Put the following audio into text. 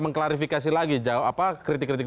mengklarifikasi lagi jawab apa kritik kritik